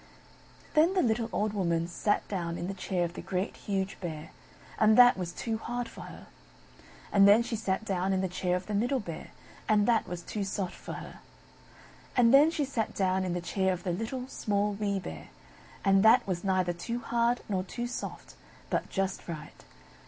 Then the little old Woman sate down in the chair of the Great, Huge Bear, and that was too hard for her. And then she sate down in the chair of the Middle Bear, and that was too soft for her. And then she sate down in the chair of the Little, Small, Wee Bear, and that was neither too hard, nor too soft, but just right.